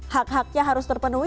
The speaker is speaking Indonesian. hak haknya harus terpenuhi